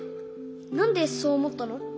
なんでそうおもったの？